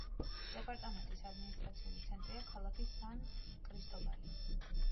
დეპარტამენტის ადმინისტრაციული ცენტრია ქალაქი სან-კრისტობალი.